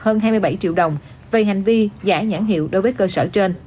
hơn hai mươi bảy triệu đồng về hành vi giả nhãn hiệu đối với cơ sở trên